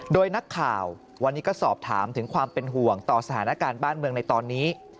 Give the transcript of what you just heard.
โดยนักข่าววันนี้ก็สอบถามถึงความเป็นห่วงต่อสถานการณ์บ้านเมืองในตอนนี้